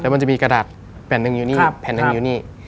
แล้วมันจะมีกระดาษแผ่นดึงอยู่นี่